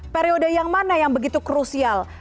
periode yang mana yang begitu krusial